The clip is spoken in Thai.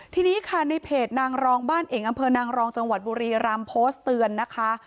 ทีนี้ค่ะในเพจนางรองบ้านเอกอำเภอนางรองจังหวัดบุรีรำโพสต์เตือนนะคะ